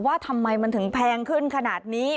ว่าทำไมมันถึงแพงขึ้นขนาดนี้